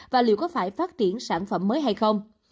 và liệu có phải phát triển sản phẩm mới hay không